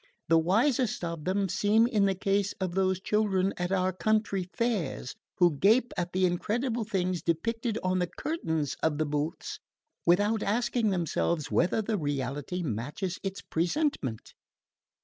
The wisest of them seem in the case of those children at our country fairs who gape at the incredible things depicted on the curtains of the booths, without asking themselves whether the reality matches its presentment.